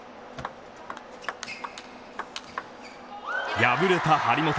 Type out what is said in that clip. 敗れた張本